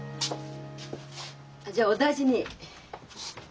じゃあお大事に。